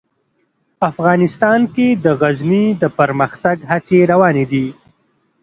افغانستان کې د غزني د پرمختګ هڅې روانې دي.